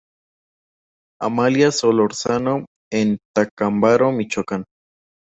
Amalia Solórzano, en Tacámbaro, Michoacán.